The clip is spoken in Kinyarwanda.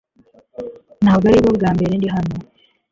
Ntabwo aribwo bwa mbere ndi hano